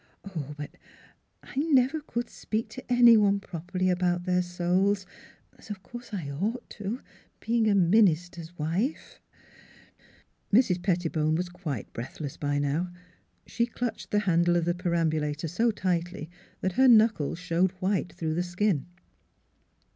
... But, oh! I never could speak to any one properly about their souls as of course I ought, being a minister's wife." Mrs. Pettibone was quite breathless by now. She clutched the handle of the perambulator so tightly that her knuckles showed white through the skin.